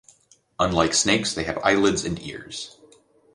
Unlike snakes, they have eyelids and ears.